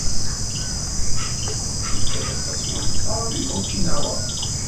Yekkat-d aṭas wenẓar deg Okinawa.